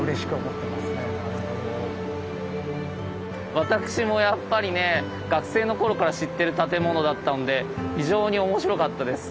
私もやっぱりね学生の頃から知ってる建物だったんで非常に面白かったです。